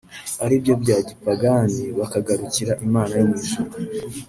ari byo bya gipagani bakagarukira Imana yo mu ijuru